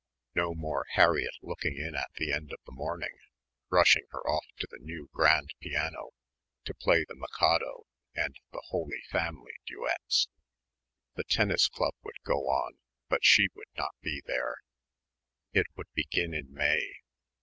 no more Harriett looking in at the end of the morning, rushing her off to the new grand piano to play the "Mikado" and the "Holy Family" duets. The tennis club would go on, but she would not be there. It would begin in May.